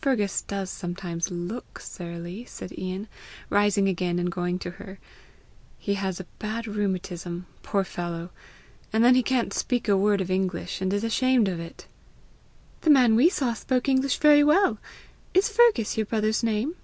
"Fergus does sometimes LOOK surly," said Ian, rising again, and going to her; "he has bad rheumatism, poor fellow! And then he can't speak a word of English, and is ashamed of it!" "The man we saw spoke English very well. Is Fergus your brother's name?"